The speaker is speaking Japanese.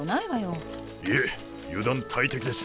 いえ油断大敵です。